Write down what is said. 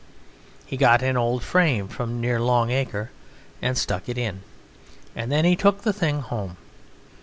He got an old frame from near Long Acre and stuck it in, and then he took the thing home.